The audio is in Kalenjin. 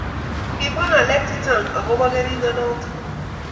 kikimwa ng'alek chechang akobo keringenoto